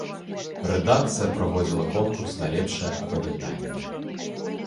Рэдакцыя праводзіла конкурс на лепшае апавяданне.